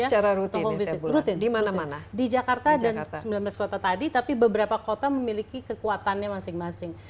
jadi secara rutin di mana mana di jakarta dan sembilan belas kota tadi tapi beberapa kota memiliki kekuatannya masing masing